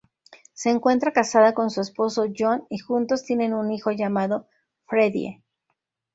Se encuentra casada con su esposo John y juntos tienen un hijo llamado Freddie.